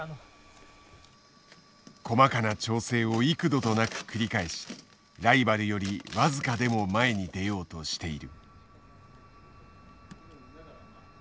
細かな調整を幾度となく繰り返しライバルより僅かでも前に出ようとしている。